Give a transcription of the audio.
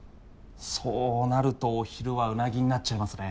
そうなるとお昼はウナギになっちゃいますね。